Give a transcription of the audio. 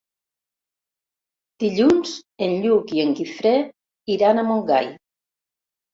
Dilluns en Lluc i en Guifré iran a Montgai.